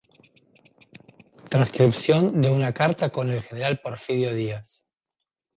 Transcripción de una carta con el General Porfirio Díaz.